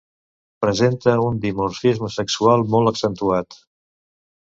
Presenta un dimorfisme sexual molt accentuat.